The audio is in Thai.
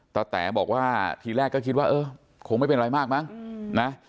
แต๋บอกว่าทีแรกก็คิดว่าเออคงไม่เป็นไรมากมั้งนะ